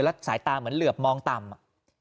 แล้วสายตาเหมือนเหลือบมองต่ำอะ